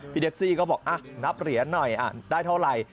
แท็กซี่ก็บอกนับเหรียญหน่อยได้เท่าไหร่